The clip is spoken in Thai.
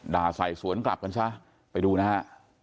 ด่าใส่สวนกลับกันซะไปดูนะฮะ